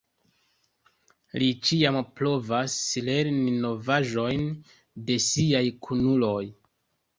Li ĉiam provas lerni novaĵojn de siaj kunuloj.